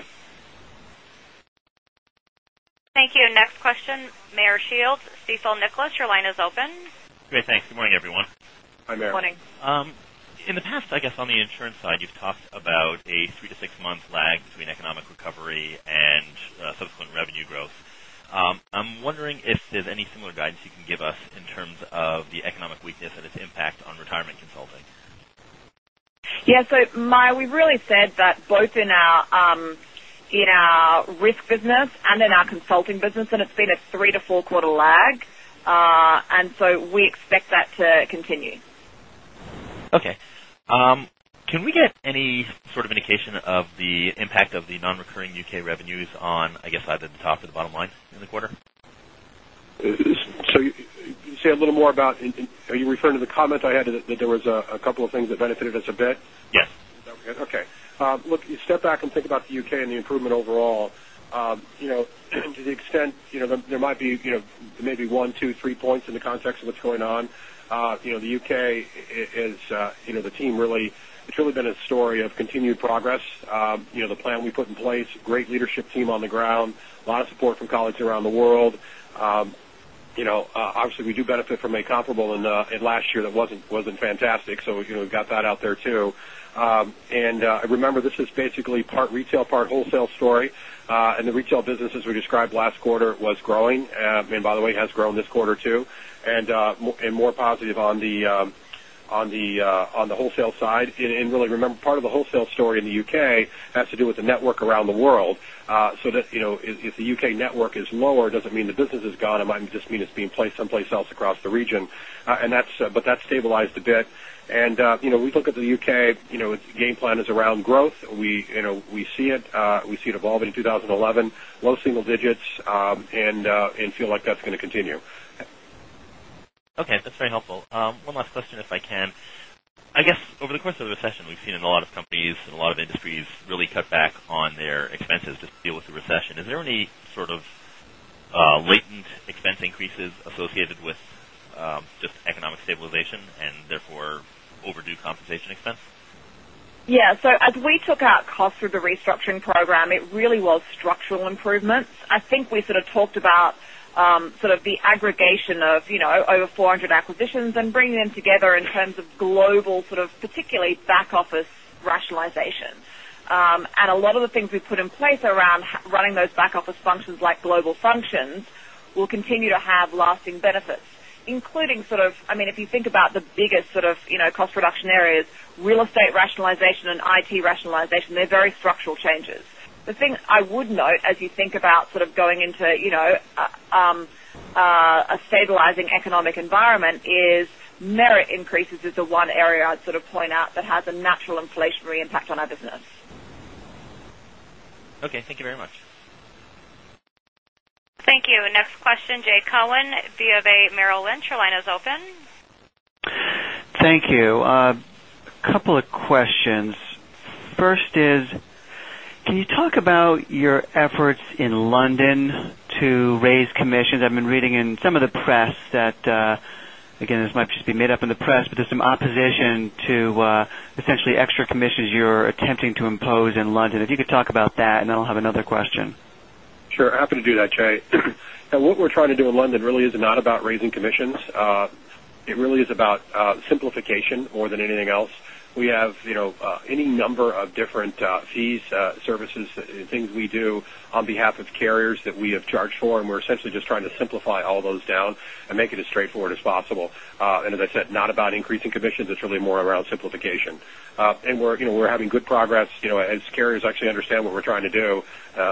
Thank you. Next question, Meyer Shields, Stifel Nicolaus, your line is open. Great. Thanks. Good morning, everyone. Hi, Meyer. Good morning. In the past, I guess on the insurance side, you've talked about a three to six-month lag between economic recovery and subsequent revenue growth. I'm wondering if there's any similar guidance you can give us in terms of the economic weakness and its impact on retirement consulting. Yeah. Meyer, we've really said that both in our risk business and in our consulting business, it's been a three to four-quarter lag. We expect that to continue. Okay. Can we get any sort of indication of the impact of the non-recurring U.K. revenues on, I guess, either the top or the bottom line in the quarter? Say a little more about, are you referring to the comment I had that there was a couple of things that benefited us a bit? Yes. Okay. Look, you step back and think about the U.K. and the improvement overall. To the extent, there might be maybe one, two, three points in the context of what's going on. The U.K., it's really been a story of continued progress. The plan we put in place, great leadership team on the ground, a lot of support from colleagues around the world. Obviously, we do benefit from a comparable in last year that wasn't fantastic. We've got that out there, too. Remember, this is basically part retail, part wholesale story. The retail business, as we described last quarter, was growing, and by the way, has grown this quarter, too. More positive on the wholesale side. Really remember, part of the wholesale story in the U.K. has to do with the network around the world. If the U.K. network is lower, it doesn't mean the business is gone. It might just mean it's being placed someplace else across the region. That stabilized a bit. We look at the U.K., its game plan is around growth. We see it evolving in 2011, low single digits, and feel like that's going to continue. Okay. That's very helpful. One last question, if I can. I guess over the course of the recession, we've seen a lot of companies and a lot of industries really cut back on their expenses just to deal with the recession. Is there any sort of latent expense increases associated with just economic stabilization and therefore overdue compensation expense? Yeah. As we took out costs through the restructuring program, it really was structural improvements. I think we sort of talked about the aggregation of over 400 acquisitions and bringing them together in terms of global, particularly back office rationalization. A lot of the things we put in place around running those back office functions, like global functions, will continue to have lasting benefits, including, if you think about the biggest cost reduction areas, real estate rationalization and IT rationalization, they're very structural changes. The thing I would note as you think about going into a stabilizing economic environment is merit increases is the one area I'd sort of point out that has a natural inflationary impact on our business. Okay. Thank you very much. Thank you. Next question, Jay Cohen, BofA Merrill Lynch, your line is open. Thank you. A couple of questions. First is, can you talk about your efforts in London to raise commissions? I've been reading in some of the press that, again, this might just be made up in the press, but there's some opposition to essentially extra commissions you're attempting to impose in London. Then I'll have another question. Sure. Happy to do that, Jay. What we're trying to do in London really is not about raising commissions. It really is about simplification more than anything else. We have any number of different fees, services, things we do on behalf of carriers that we have charged for. We're essentially just trying to simplify all those down and make it as straightforward as possible. As I said, not about increasing commissions, it's really more around simplification. We're having good progress as carriers actually understand what we're trying to do.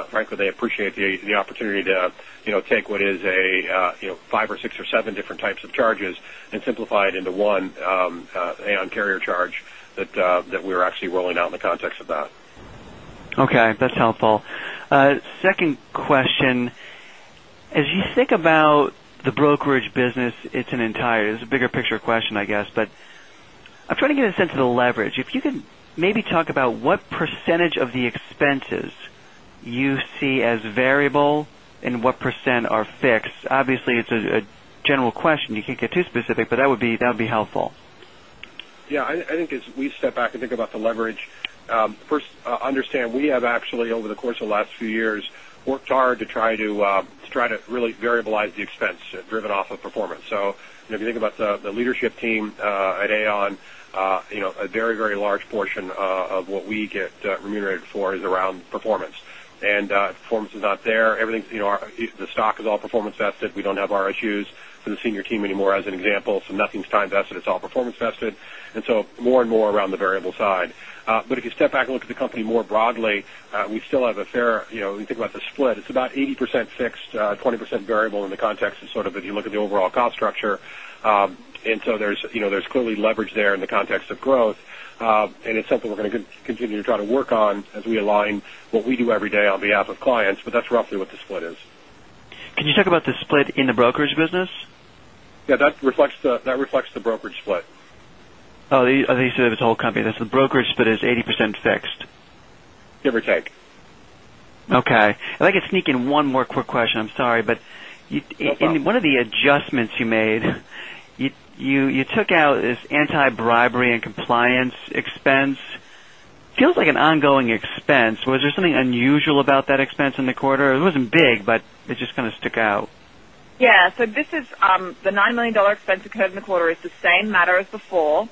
Frankly, they appreciate the opportunity to take what is a five or six or seven different types of charges and simplify it into one Aon carrier charge that we're actually rolling out in the context of that. Okay. That's helpful. Second question, as you think about the brokerage business, it's a bigger picture question, I guess. I'm trying to get a sense of the leverage. If you could maybe talk about what % of the expenses you see as variable and what % are fixed. Obviously, it's a general question. You can't get too specific, but that would be helpful. I think as we step back and think about the leverage, first understand we have actually, over the course of the last few years, worked hard to try to really variabilize the expense driven off of performance. If you think about the leadership team at Aon, a very large portion of what we get remunerated for is around performance. If performance is not there, the stock is all performance vested. We don't have RSUs for the senior team anymore, as an example. Nothing's time vested, it's all performance vested. More and more around the variable side. If you step back and look at the company more broadly, we still have a fair, when you think about the split, it's about 80% fixed, 20% variable in the context of sort of if you look at the overall cost structure. There's clearly leverage there in the context of growth. It's something we're going to continue to try to work on as we align what we do every day on behalf of clients. That's roughly what the split is. Can you talk about the split in the brokerage business? Yeah, that reflects the brokerage split. Oh, I thought you said it was the whole company. The brokerage split is 80% fixed. Give or take. Okay. If I could sneak in one more quick question. I'm sorry. No problem. In one of the adjustments you made, you took out this anti-bribery and compliance expense. Feels like an ongoing expense. Was there something unusual about that expense in the quarter? It wasn't big, but it just kind of stuck out. Yeah. The $9 million expense incurred in the quarter is the same matter as before.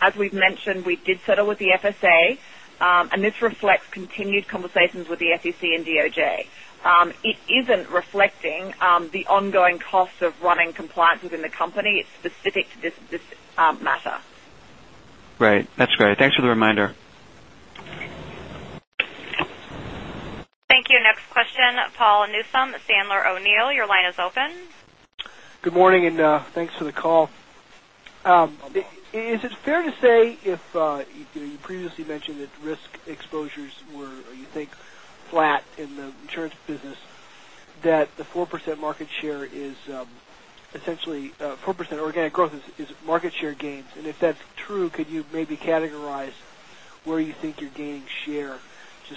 As we've mentioned, we did settle with the FSA. This reflects continued conversations with the SEC and DOJ. It isn't reflecting the ongoing costs of running compliance within the company. It's specific to this matter. Right. That's great. Thanks for the reminder. Thank you. Next question, Paul Newsome, Sandler O'Neill, your line is open. Good morning, and thanks for the call. Is it fair to say if you previously mentioned that risk exposures were or you think flat in the insurance business, that the 4% market share is essentially 4% organic growth is market share gains? If that's true, could you maybe categorize where you think you're gaining share just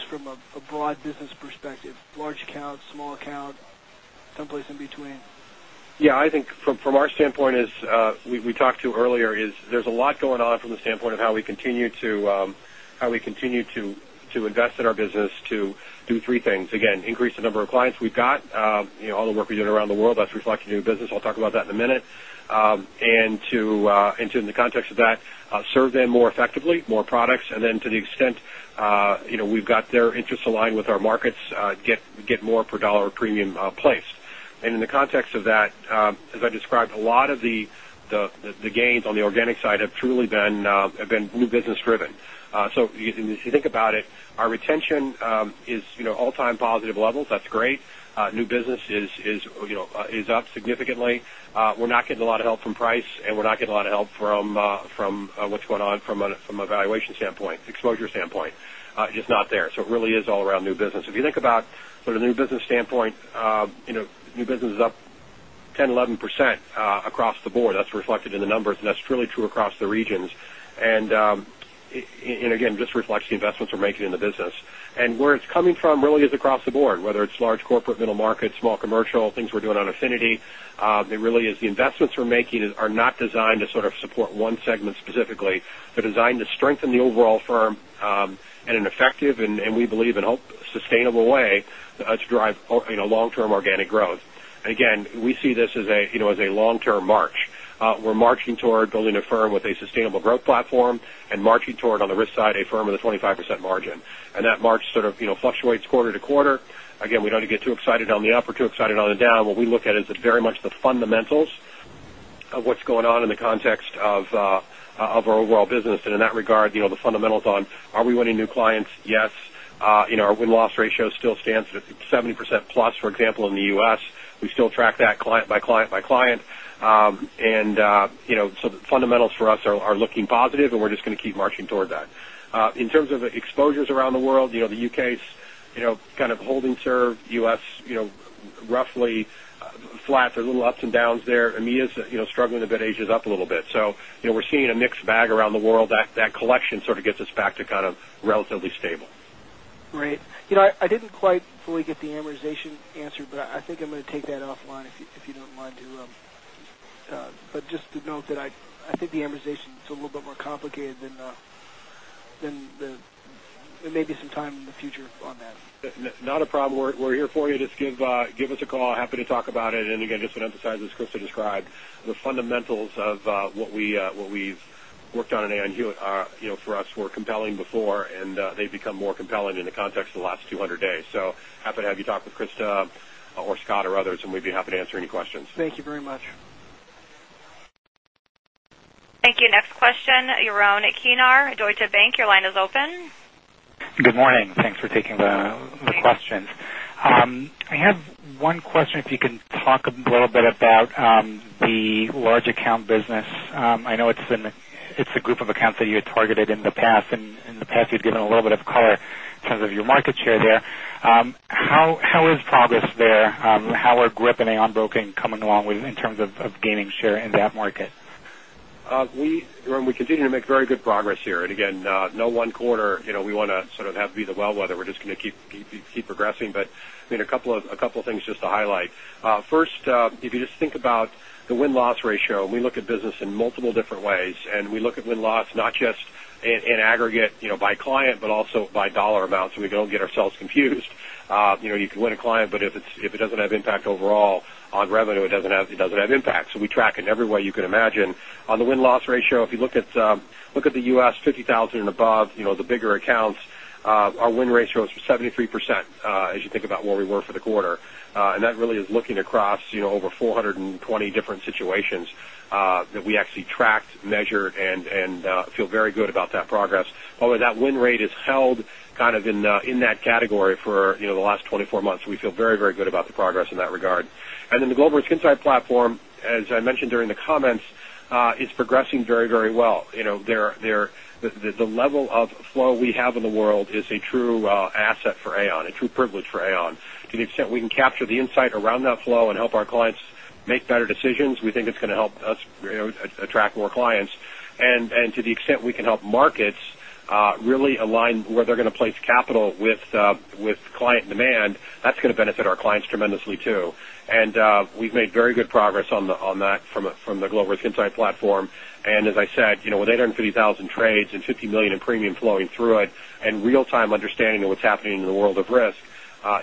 from a broad business perspective, large account, small account, someplace in between? I think from our standpoint, as we talked to earlier, there's a lot going on from the standpoint of how we continue to invest in our business to do three things. Again, increase the number of clients we've got. All the work we're doing around the world, that's reflected in new business. I'll talk about that in a minute. To, in the context of that, serve them more effectively, more products. Then to the extent we've got their interests aligned with our markets, get more per dollar premium placed. In the context of that, as I described, a lot of the gains on the organic side have truly been new business driven. If you think about it, our retention is all-time positive levels. That's great. New business is up significantly. We're not getting a lot of help from price, and we're not getting a lot of help from what's going on from a valuation standpoint, exposure standpoint. Just not there. It really is all around new business. If you think about sort of new business standpoint, new business is up 10, 11% across the board. That's reflected in the numbers, and that's truly true across the regions. Again, just reflects the investments we're making in the business. Where it's coming from really is across the board, whether it's large corporate, middle market, small commercial, things we're doing on affinity. It really is the investments we're making are not designed to sort of support one segment specifically. They're designed to strengthen the overall firm in an effective and we believe, in a sustainable way to drive long-term organic growth. Again, we see this as a long-term march. We're marching toward building a firm with a sustainable growth platform and marching toward, on the risk side, a firm with a 25% margin. That march sort of fluctuates quarter to quarter. Again, we don't get too excited on the up or too excited on the down. What we look at is very much the fundamentals of what's going on in the context of our overall business. In that regard, the fundamentals on are we winning new clients? Yes. Our win-loss ratio still stands at 70% plus, for example, in the U.S. We still track that client by client. The fundamentals for us are looking positive, and we're just going to keep marching toward that. In terms of exposures around the world, the U.K. is kind of holding serve, U.S. roughly flat. There's a little ups and downs there. EMEA is struggling a bit. Asia's up a little bit. We're seeing a mixed bag around the world. That collection sort of gets us back to kind of relatively stable. Great. I didn't quite fully get the amortization answer, I think I'm going to take that offline if you don't mind. Just to note that I think the amortization is a little bit more complicated than the maybe some time in the future on that. Not a problem. We're here for you. Just give us a call. Happy to talk about it. Again, just want to emphasize, as Christa described, the fundamentals of what we've worked on at Aon Hewitt for us were compelling before, and they've become more compelling in the context of the last 200 days. Happy to have you talk with Christa or Scott or others, we'd be happy to answer any questions. Thank you very much. Thank you. Next question, Yaron Kinar, Deutsche Bank, your line is open. Good morning. Thanks for taking the questions. I have one question, if you can talk a little bit about the large account business. I know it's a group of accounts that you had targeted in the past, and in the past you'd given a little bit of color. In terms of your market share there, how is progress there? How are GRIP and Aon Broking coming along in terms of gaining share in that market? We continue to make very good progress here. Again, no one quarter we want to sort of have to be the well-weather. We're just going to keep progressing. A couple of things just to highlight. First, if you just think about the win-loss ratio, we look at business in multiple different ways. We look at win-loss not just in aggregate by client, but also by dollar amount, so we don't get ourselves confused. You can win a client, but if it doesn't have impact overall on revenue, it doesn't have impact. We track in every way you can imagine. On the win-loss ratio, if you look at the U.S. 50,000 and above, the bigger accounts, our win ratio is for 73% as you think about where we were for the quarter. That really is looking across over 420 different situations that we actually tracked, measured, and feel very good about that progress. By the way, that win rate has held kind of in that category for the last 24 months. We feel very good about the progress in that regard. The Global Risk Insight Platform, as I mentioned during the comments, is progressing very well. The level of flow we have in the world is a true asset for Aon, a true privilege for Aon. To the extent we can capture the insight around that flow and help our clients make better decisions, we think it's going to help us attract more clients. To the extent we can help markets really align where they're going to place capital with client demand, that's going to benefit our clients tremendously, too. We've made very good progress on that from the Global Risk Insight Platform. As I said, with 850,000 trades and $50 million in premium flowing through it, and real-time understanding of what's happening in the world of risk,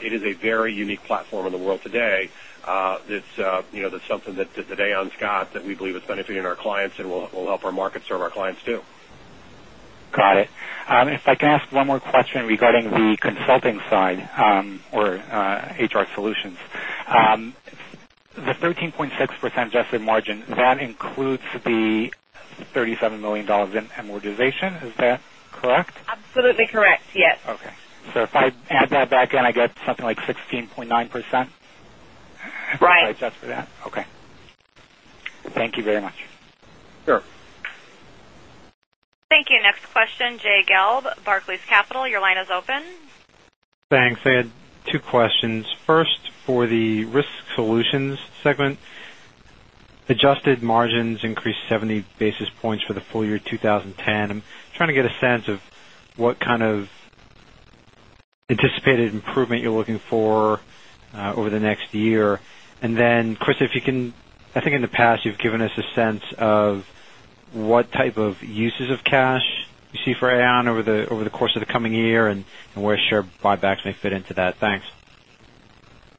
it is a very unique platform in the world today. That's something that Aon's got that we believe is benefiting our clients and will help our market serve our clients, too. Got it. If I can ask one more question regarding the consulting side or HR solutions. The 13.6% adjusted margin, that includes the $37 million in amortization. Is that correct? Absolutely correct. Yes. If I add that back in, I get something like 16.9%? Right. If I adjust for that? Okay. Thank you very much. Sure. Thank you. Next question, Jay Gelb, Barclays Capital, your line is open. Thanks. I had two questions. First, for the Risk Solutions segment, adjusted margins increased 70 basis points for the full year 2010. I'm trying to get a sense of what kind of anticipated improvement you're looking for over the next year. Chris, I think in the past you've given us a sense of what type of uses of cash you see for Aon over the course of the coming year, and where share buybacks may fit into that. Thanks.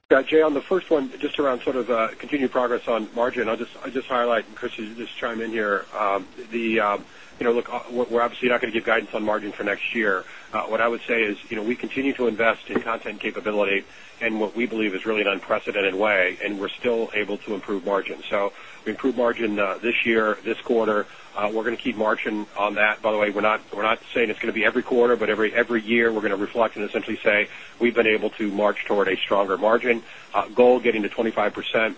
Yeah, Jay, on the first one, just around sort of continued progress on margin. I'll just highlight, and Chris, you can just chime in here. Look, we're obviously not going to give guidance on margin for next year. What I would say is we continue to invest in content capability in what we believe is really an unprecedented way, and we're still able to improve margin. We improved margin this year, this quarter. We're going to keep marching on that. By the way, we're not saying it's going to be every quarter, but every year we're going to reflect and essentially say we've been able to march toward a stronger margin. Goal getting to 25%.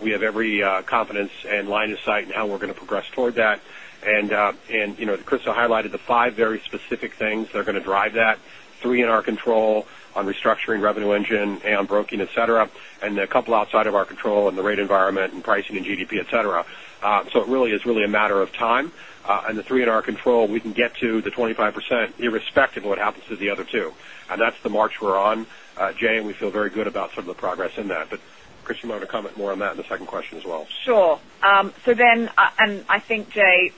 We have every confidence and line of sight in how we're going to progress toward that. Chris highlighted the five very specific things that are going to drive that. Three in our control on restructuring, Revenue Engine, Aon Broking, et cetera, and a couple outside of our control in the rate environment and pricing and GDP, et cetera. It really is a matter of time. The three in our control, we can get to the 25% irrespective of what happens to the other two. That's the march we're on, Jay, and we feel very good about some of the progress in that. Chris, you might want to comment more on that and the second question as well. Sure. Jay,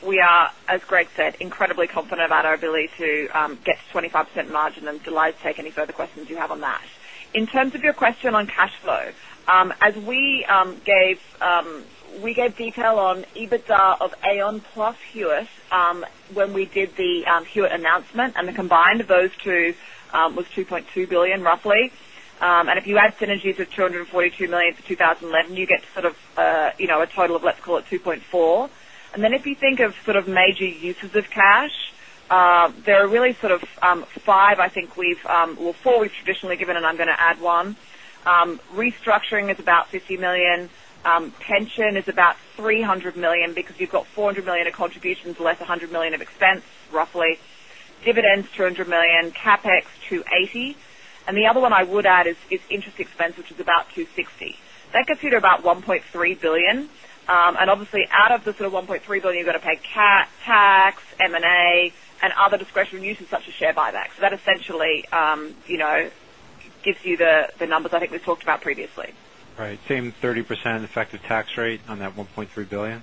we are, as Greg said, incredibly confident about our ability to get to 25% margin, and I'm delighted to take any further questions you have on that. In terms of your question on cash flow, we gave detail on EBITDA of Aon plus Hewitt when we did the Hewitt announcement, and the combined of those two was $2.2 billion roughly. If you add synergies of $242 million to 2011, you get to sort of a total of, let's call it $2.4 billion. If you think of sort of major uses of cash, there are really sort of five I think we've— well, four we've traditionally given, and I'm going to add one. Restructuring is about $50 million. Pension is about $300 million because you've got $400 million of contributions less $100 million of expense, roughly. Dividends, $200 million. CapEx, $280 million. The other one I would add is interest expense, which is about $260 million. That gets you to about $1.3 billion. Obviously out of the sort of $1.3 billion, you've got to pay tax, M&A, and other discretionary uses such as share buybacks. That essentially gives you the numbers I think we talked about previously. Right. Same 30% effective tax rate on that $1.3 billion?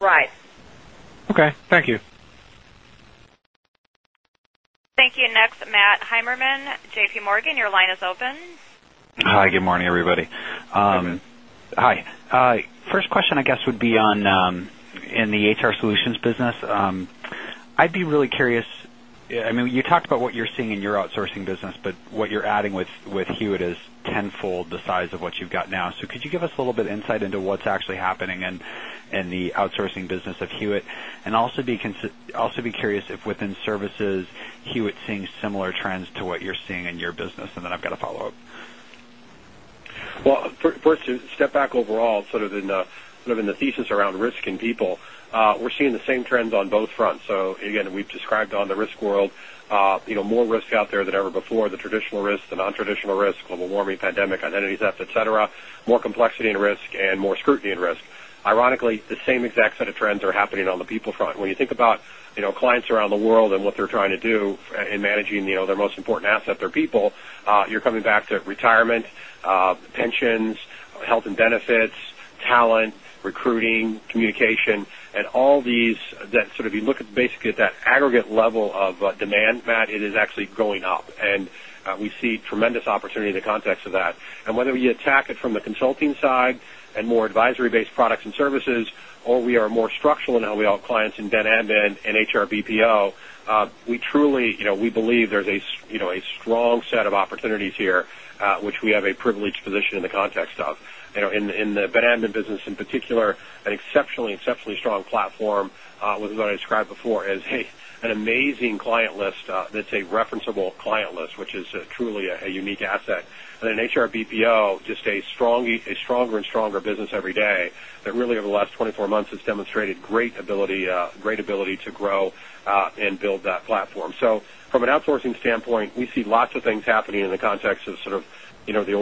Right. Okay. Thank you. Thank you. Next, Matthew Heimermann, JPMorgan Chase, your line is open. Hi, good morning, everybody. Matt. Hi. First question, I guess, would be in the HR solutions business. I'd be really curious. You talked about what you're seeing in your outsourcing business, but what you're adding with Hewitt is tenfold the size of what you've got now. Could you give us a little bit insight into what's actually happening in the outsourcing business of Hewitt? Also be curious if within services, Hewitt's seeing similar trends to what you're seeing in your business. I've got a follow-up. Well, first, to step back overall, in the thesis around risk and people, we're seeing the same trends on both fronts. Again, we've described on the risk world, more risk out there than ever before, the traditional risk, the non-traditional risk, global warming, pandemic, identity theft, et cetera, more complexity and risk, and more scrutiny and risk. Ironically, the same exact set of trends are happening on the people front. When you think about clients around the world and what they're trying to do in managing their most important asset, their people, you're coming back to retirement, pensions, health and benefits, talent, recruiting, communication, and all these that if you look at basically at that aggregate level of demand, Matt, it is actually going up. We see tremendous opportunity in the context of that. Whether we attack it from the consulting side and more advisory-based products and services, or we are more structural in how we help clients in BenAdmin and HR BPO, we believe there's a strong set of opportunities here, which we have a privileged position in the context of. In the BenAdmin business in particular, an exceptionally strong platform, with what I described before as an amazing client list that's a referenceable client list, which is truly a unique asset. HR BPO, just a stronger and stronger business every day that really, over the last 24 months, has demonstrated great ability to grow and build that platform. From an outsourcing standpoint, we see lots of things happening in the context of the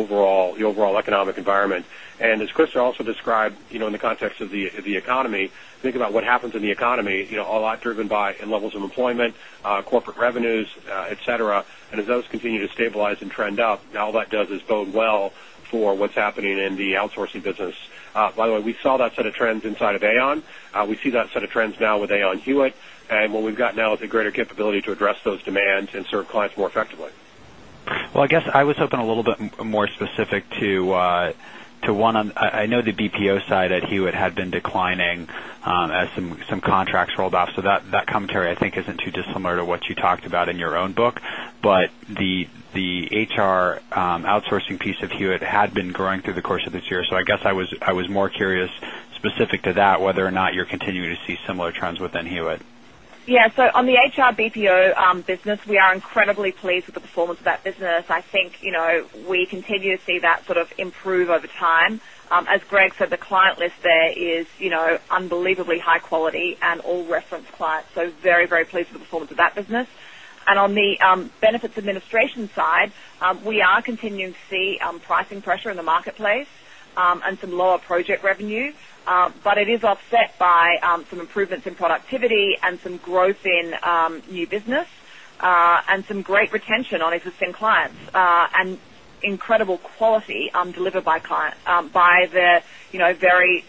overall economic environment. As Christa also described, in the context of the economy, think about what happens in the economy, a lot driven by levels of employment, corporate revenues, et cetera. As those continue to stabilize and trend up, all that does is bode well for what's happening in the outsourcing business. By the way, we saw that set of trends inside of Aon. We see that set of trends now with Aon Hewitt, what we've got now is a greater capability to address those demands and serve clients more effectively. Well, I guess I was hoping a little bit more specific to, I know the BPO side at Hewitt had been declining as some contracts rolled off, so that commentary, I think, isn't too dissimilar to what you talked about in your own book. The HR outsourcing piece of Hewitt had been growing through the course of this year. I guess I was more curious, specific to that, whether or not you're continuing to see similar trends within Hewitt. Yeah. On the HR BPO business, we are incredibly pleased with the performance of that business. I think, we continue to see that improve over time. As Greg said, the client list there is unbelievably high quality and all reference clients, very, very pleased with the performance of that business. On the benefits administration side, we are continuing to see pricing pressure in the marketplace, and some lower project revenue. It is offset by some improvements in productivity and some growth in new business, and some great retention on existing clients, and incredible quality delivered by the very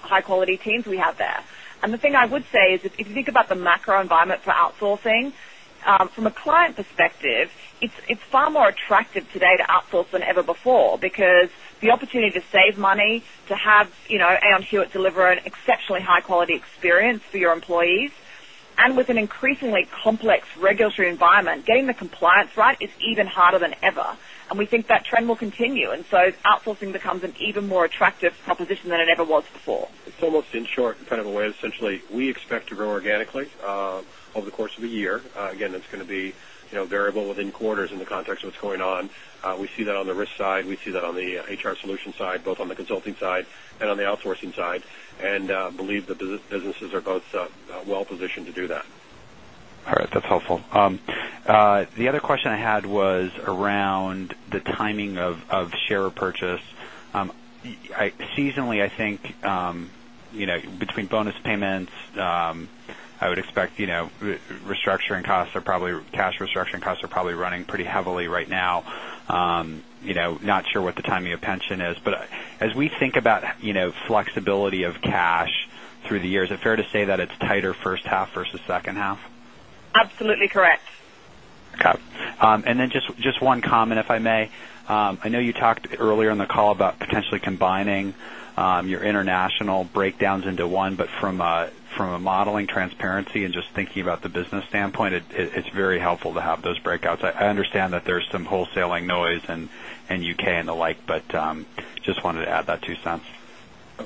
high-quality teams we have there. The thing I would say is, if you think about the macro environment for outsourcing, from a client perspective, it's far more attractive today to outsource than ever before, because the opportunity to save money, to have Aon Hewitt deliver an exceptionally high-quality experience for your employees. With an increasingly complex regulatory environment, getting the compliance right is even harder than ever, and we think that trend will continue. Outsourcing becomes an even more attractive proposition than it ever was before. It's almost, in short, kind of a way, essentially, we expect to grow organically over the course of a year. Again, that's going to be variable within quarters in the context of what's going on. We see that on the risk side, we see that on the HR solution side, both on the consulting side and on the outsourcing side, and believe the businesses are both well positioned to do that. All right. That's helpful. The other question I had was around the timing of share purchase. Seasonally, I think, between bonus payments, I would expect cash restructuring costs are probably running pretty heavily right now. Not sure what the timing of pension is, but as we think about flexibility of cash through the years, is it fair to say that it's tighter first half versus second half? Absolutely correct. Okay. Just one comment, if I may. I know you talked earlier in the call about potentially combining your international breakdowns into one, but from a modeling transparency and just thinking about the business standpoint, it's very helpful to have those breakouts. I understand that there's some wholesaling noise in U.K. and the like, but just wanted to add that two cents.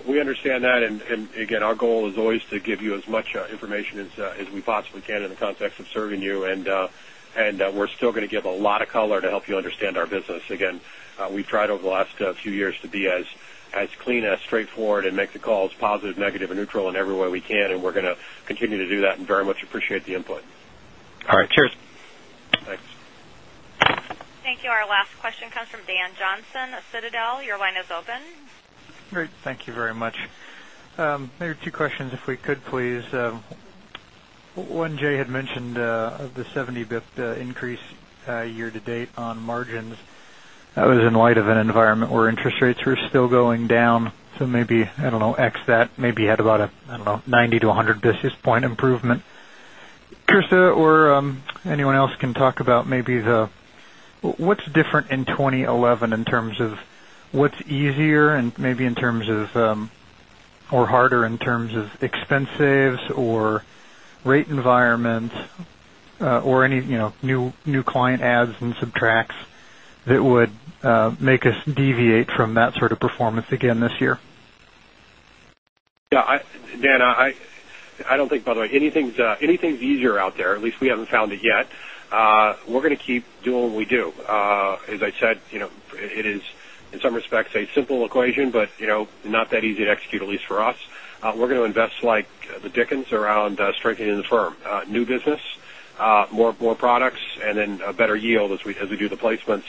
We understand that, and again, our goal is always to give you as much information as we possibly can in the context of serving you. We're still going to give a lot of color to help you understand our business. Again, we've tried over the last few years to be as clean, as straightforward, and make the calls positive, negative, or neutral in every way we can, and we're going to continue to do that, and very much appreciate the input. All right. Cheers. Thanks. Thank you. Our last question comes from Dan Johnson of Citadel. Your line is open. Great. Thank you very much. Maybe two questions, if we could, please. One, Jay had mentioned the 70 basis point increase year-to-date on margins. That was in light of an environment where interest rates were still going down. Maybe, I don't know, X that maybe had about a, I don't know, 90 to 100 basis point improvement. Christa or anyone else can talk about maybe what's different in 2011 in terms of what's easier and maybe in terms of, or harder in terms of expense saves or rate environments, or any new client adds and subtracts that would make us deviate from that sort of performance again this year? Yeah. Dan, I don't think, by the way, anything's easier out there. At least we haven't found it yet. We're going to keep doing what we do. As I said, it is in some respects a simple equation, but not that easy to execute, at least for us. We're going to invest like the Dickens around strengthening the firm. New business, more products, and then a better yield as we do the placements.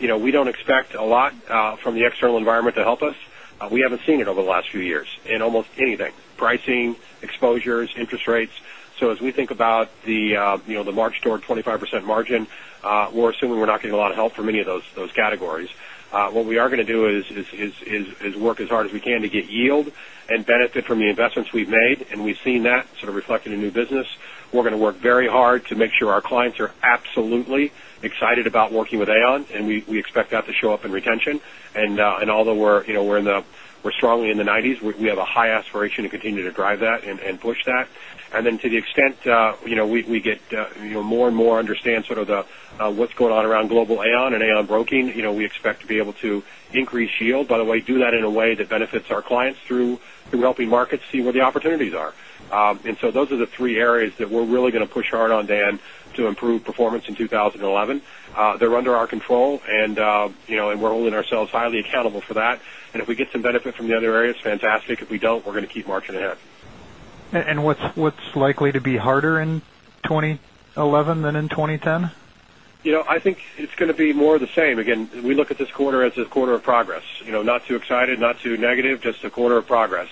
We don't expect a lot from the external environment to help us. We haven't seen it over the last few years in almost anything, pricing, exposures, interest rates. As we think about the March toward 25% margin, we're assuming we're not getting a lot of help from any of those categories. What we are going to do is work as hard as we can to get yield and benefit from the investments we've made. We've seen that sort of reflected in new business. We're going to work very hard to make sure our clients are absolutely excited about working with Aon, and we expect that to show up in retention. Although we're strongly in the nineties, we have a high aspiration to continue to drive that and push that. Then to the extent we get more and more understand sort of what's going on around global Aon and Aon Broking. We expect to be able to increase yield, by the way, do that in a way that benefits our clients through helping markets see where the opportunities are. Those are the three areas that we're really going to push hard on, Dan, to improve performance in 2011. They're under our control, and we're holding ourselves highly accountable for that. If we get some benefit from the other areas, fantastic. If we don't, we're going to keep marching ahead. What's likely to be harder in 2011 than in 2010? I think it's going to be more of the same. Again, we look at this quarter as a quarter of progress. Not too excited, not too negative, just a quarter of progress.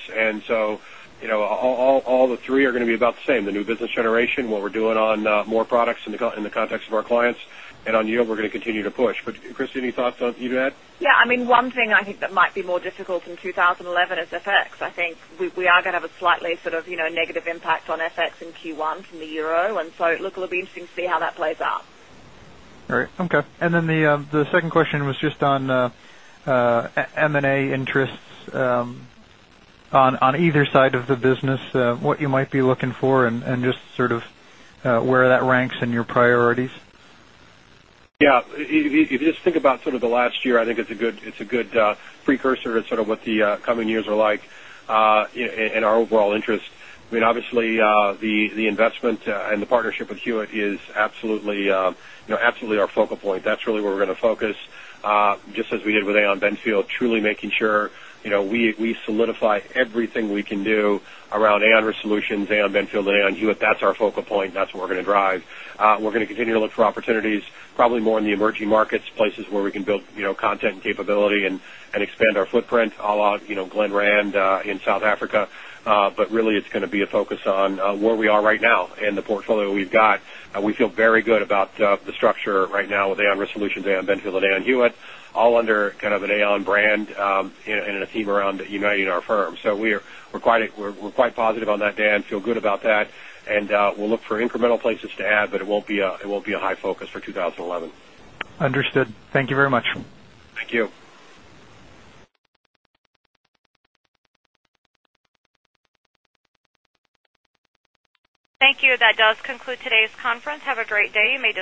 All the three are going to be about the same. The new business generation, what we're doing on more products in the context of our clients, and on yield, we're going to continue to push. Christa, any thoughts you'd add? Yeah. One thing I think that might be more difficult in 2011 is FX. I think we are going to have a slightly sort of negative impact on FX in Q1 from the euro. It will be interesting to see how that plays out. All right. Okay. The second question was just on M&A interests on either side of the business, what you might be looking for and just sort of where that ranks in your priorities. Yeah. If you just think about sort of the last year, I think it's a good precursor to sort of what the coming years are like in our overall interest. Obviously, the investment and the partnership with Hewitt is absolutely our focal point. That's really where we're going to focus, just as we did with Aon Benfield, truly making sure we solidify everything we can do around Aon Risk Solutions, Aon Benfield, and Aon Hewitt. That's our focal point. That's what we're going to drive. We're going to continue to look for opportunities, probably more in the emerging markets, places where we can build content and capability and expand our footprint, à la Glenrand in South Africa. Really, it's going to be a focus on where we are right now and the portfolio that we've got. We feel very good about the structure right now with Aon Risk Solutions, Aon Benfield, and Aon Hewitt, all under kind of an Aon brand and a team around uniting our firm. We're quite positive on that, Dan. We'll look for incremental places to add, it won't be a high focus for 2011. Understood. Thank you very much. Thank you. Thank you. That does conclude today's conference. Have a great day. You may disconnect.